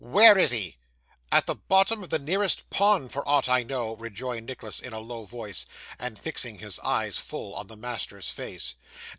Where is he?' 'At the bottom of the nearest pond for aught I know,' rejoined Nicholas in a low voice, and fixing his eyes full on the master's face.